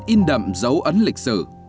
in đậm dấu ấn lịch sử